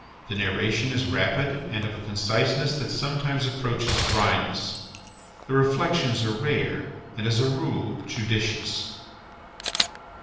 The narration is rapid and of a conciseness that sometimes approaches dryness. The reflections are rare and, as a rule, judicious.